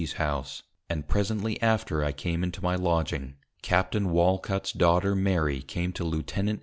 's_ House, and presently after I came into my Lodging, Capt. Walcut's Daughter Mary came to Lieut.